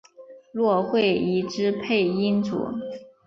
骆慧怡之配音组。